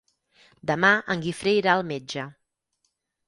Demà en Guifré irà al metge.